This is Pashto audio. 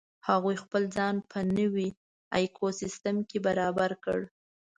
هغوی خپل ځان په نوې ایکوسیستم کې برابر کړ.